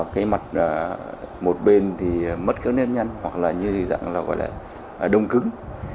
cái mặt một bên thì mất cái nếp nhăn hoặc là như dạng là gọi là đông cứng